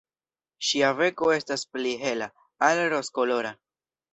Ŝia beko estas pli hela, al rozkolora.